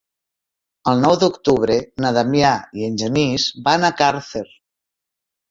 El nou d'octubre na Damià i en Genís van a Càrcer.